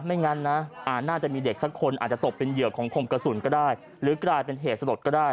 ไม่งั้นนะน่าจะมีเด็กสักคนอาจจะตกเป็นเหยื่อของคมกระสุนก็ได้หรือกลายเป็นเหตุสลดก็ได้